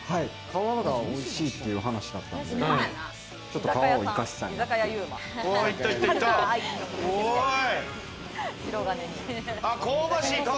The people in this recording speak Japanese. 皮がおいしいっていう話だったんで、皮を生かしたいなと。